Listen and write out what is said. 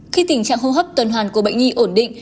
khi tình trạng hô hấp tuần hoàn của bệnh nhi ổn định